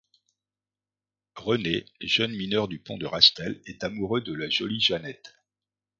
René, jeune mineur du Pont de Rastel, est amoureux de la jolie Jeannette.